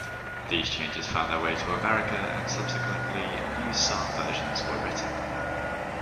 These changes found their way to America and subsequently new psalm versions were written.